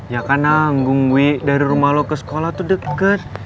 ya kan anggung wi dari rumah lo ke sekolah tuh deket